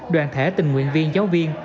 đoàn thể tình nguyện viên giáo viên